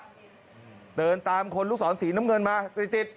ดูติดติดเตินตามคนลูกศรสีน้ำเงินมาติดติด